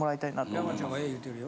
山ちゃんがええ言うてるよ。